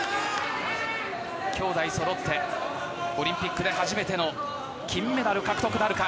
兄妹そろってオリンピックで初めての金メダル獲得あるか。